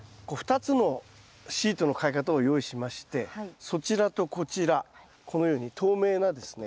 ２つのシートのかけ方を用意しましてそちらとこちらこのように透明なですね